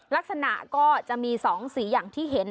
ลักษณะก็จะมี๒สีอย่างที่เห็น